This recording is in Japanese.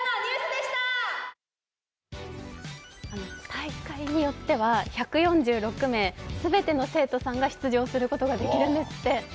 大会によっては１４６名全ての生徒さんが出場することができるんですって。